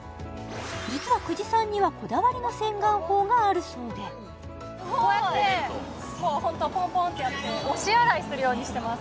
実は久慈さんにはこだわりの洗顔法があるそうでこうやってもうホントポンポンってやって押し洗いするようにしてます